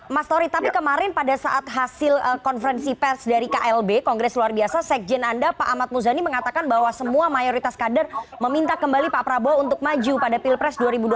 mas tori tapi kemarin pada saat hasil konferensi pers dari klb kongres luar biasa sekjen anda pak ahmad muzani mengatakan bahwa semua mayoritas kader meminta kembali pak prabowo untuk maju pada pilpres dua ribu dua puluh